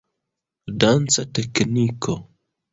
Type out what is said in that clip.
Danca tekniko.